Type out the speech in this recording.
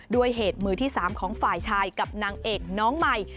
ด้วยเหตุมือที่๓ของฝ่ายชายกับนางเอกน้องใหม่